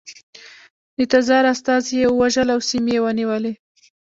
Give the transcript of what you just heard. د تزار استازي یې ووژل او سیمې یې ونیولې.